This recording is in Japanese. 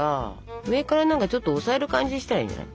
上から何かちょっと押さえる感じにしたらいいんじゃない？